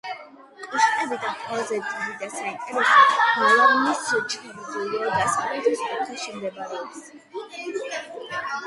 კოშკებიდან ყველაზე დიდი და საინტერესო გალავნის ჩრდილო-დასავლეთის კუთხეში მდებარეობს.